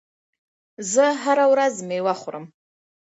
زه هره ورځ میوه خورم.